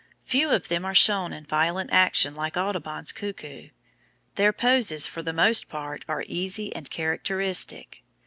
Few of them are shown in violent action like Audubon's cuckoo; their poses for the most part are easy and characteristic.